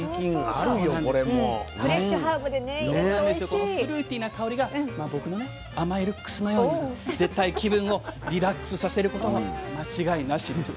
このフルーティーな香りが僕の甘いルックスのように絶対気分をリラックスさせること間違いなしです。